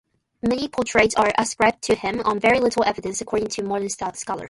Many portraits are ascribed to him on very little evidence, according to modern scholars.